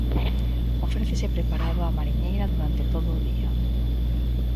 Ofrécese preparado á mariñeira durante todo o día.